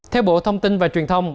theo bộ thông tin và truyền thông